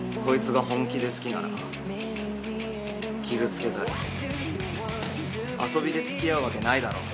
こいつが本気で好きなら傷つけたり遊びで付き合うわけないだろ。